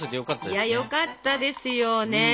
いやよかったですよね。